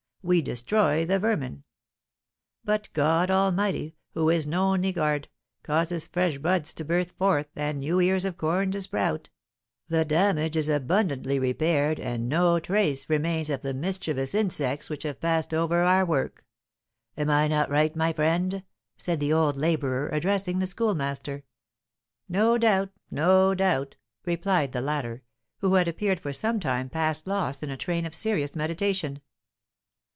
we destroy the vermin. But God Almighty, who is no niggard, causes fresh buds to burst forth and new ears of corn to sprout; the damage is abundantly repaired, and no trace remains of the mischievous insects which have passed over our work. Am I not right, my friend?" said the old labourer, addressing the Schoolmaster. "No doubt no doubt," replied the latter, who had appeared for some time past lost in a train of serious meditation.